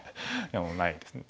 でもないですね。